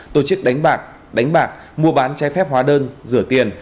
tổ chức đánh bạc đánh bạc mua bán trái phép hóa đơn rửa tiền